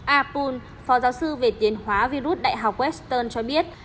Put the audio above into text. a poon phó giáo sư về tiến hóa virus đại học western cho biết